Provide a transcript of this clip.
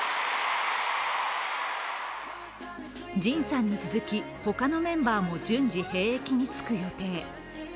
ＪＩＮさんに続き、他のメンバーも順次、兵役に就く予定。